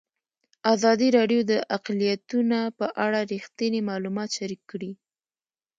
ازادي راډیو د اقلیتونه په اړه رښتیني معلومات شریک کړي.